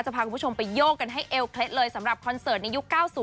พาคุณผู้ชมไปโยกกันให้เอวเคล็ดเลยสำหรับคอนเสิร์ตในยุค๙๐